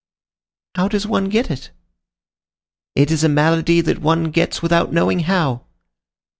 "How does one get it?" "It is a malady that one gets without knowing how."